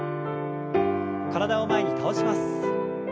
体を前に倒します。